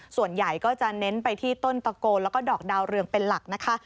ส่วนใหญ่ก็จะเน้นไปที่ต้นตะโกนแล้วก็ดอกดาวเรืองเป็นหลักนะคะ